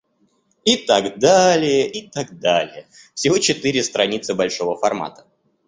И так далее, и так далее, всего четыре страницы большого формата.